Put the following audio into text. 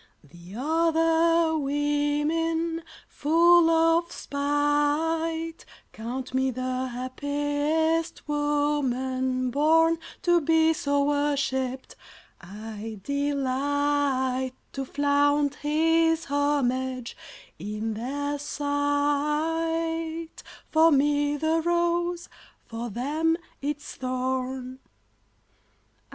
The other women, full of spite, Count me the happiest woman born To be so worshipped; I delight To flaunt his homage in their sight, For me the rose, for them its thorn.